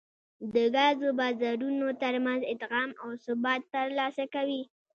د ګازو بازارونو ترمنځ ادغام او ثبات ترلاسه کوي